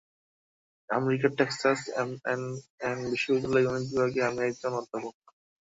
আমেরিকার Texas M and N বিশ্ববিদ্যালয়ের গণিত বিভাগের আমি একজন অধ্যাপক।